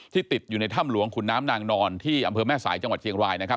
ติดอยู่ในถ้ำหลวงขุนน้ำนางนอนที่อำเภอแม่สายจังหวัดเชียงรายนะครับ